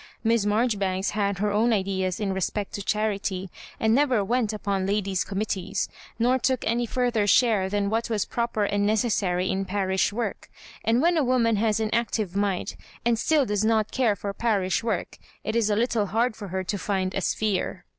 Miss Marjoribanks had her own ideas in respect to charity, and never went upon ladies' committees, nor took any further share than what was proper and necessary in parish work ; and when a woman has an active mind, and still does not care for parish work, it is a little hard for her to find a " sphere."